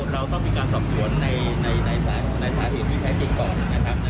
เราต้องมีการสอบสวนในสาเหตุที่แท้จริงก่อนนะครับ